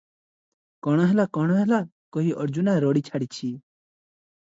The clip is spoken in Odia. "କଣ ହେଲା, କଣ ହେଲା" କହି ଅର୍ଜୁନା ରଡ଼ି ଛାଡ଼ିଛି ।